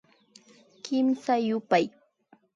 Kimsa yupay